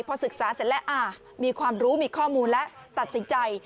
พอศึกษาเสร็จแล้วมีความรู้มีข้อมูลและตัดสินใจ